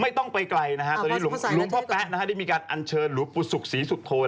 ไม่ต้องไปไกลนะฮะตอนนี้หลุมพระแป๊ะได้มีการอัญเชิญหรือปูสุกศรีสุทธโท